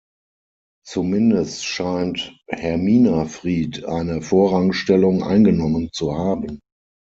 Zumindest scheint Herminafried eine Vorrangstellung eingenommen zu haben.